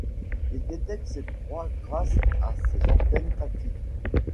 Il détecte ses proies grâce à ses antennes tactiles.